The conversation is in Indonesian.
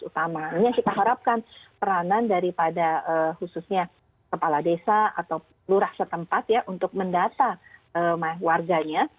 ini yang kita harapkan peranan daripada khususnya kepala desa atau lurah setempat ya untuk mendata warganya